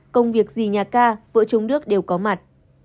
công việc gì nhà ca vợ chồng đức đều có mặt